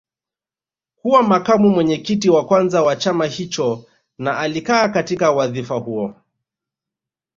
Kuwa makamu mwenyekiti wa kwanza wa chama hicho na alikaa katika wadhifa huo